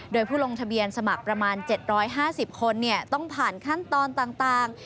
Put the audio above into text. โดยผู้ลงทะเบียนสมัครประมาณ๗๕๐คนต้องผ่านขั้นตอนต่าง